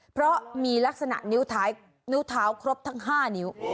เพราะมีลักษณะนิ้วเท้าครบทั้ง๕นิ้ว